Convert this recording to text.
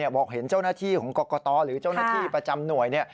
บอกเห็นเจ้าหน้าที่ของกรกตหรือเจ้าหน้าที่ประจำหน่วย